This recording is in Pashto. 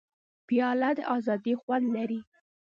پیاله د ازادۍ خوند لري.